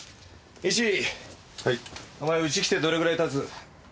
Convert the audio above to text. イチお前うち来てどれぐらい経つ？